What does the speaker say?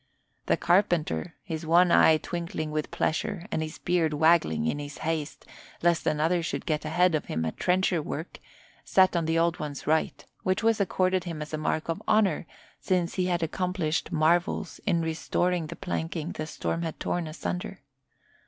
The carpenter, his one eye twinkling with pleasure and his beard waggling in his haste lest another should get ahead of him at trencher work, sat on the Old One's right, which was accorded him as a mark of honour since he had accomplished marvels in restoring the planking the storm had torn asunder.